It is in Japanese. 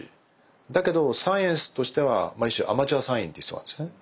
だけどサイエンスとしては一種アマチュアサイエンティストなんですよね。